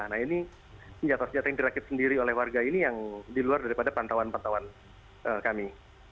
nah ini senjata senjata yang dirakit sendiri oleh warga ini yang di luar daripada pantauan pantauan kami